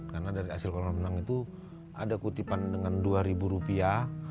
karena dari hasil kolonel menang itu ada kutipan dengan dua rupiah